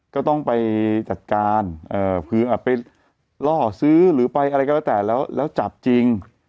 ก็ต้องไปจัดการคือไปล่อซื้อหรือไปอะไรก็แล้วแต่แล้วจับจริง